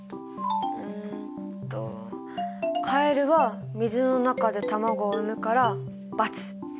うんとカエルは水の中で卵を産むから×。